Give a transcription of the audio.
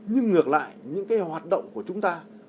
nhưng ngược lại những cái hoạt động của chúng ta